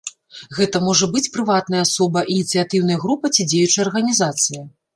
Гэта можа быць прыватная асоба, ініцыятыўная група ці дзеючая арганізацыя.